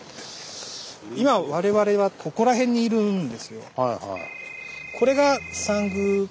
今我々はここら辺にいるんですよ。